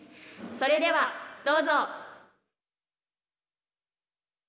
それではどうぞ。